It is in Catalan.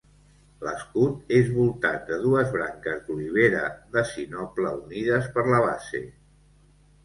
L'escut és voltat de dues branques d'olivera de sinople unides per la base.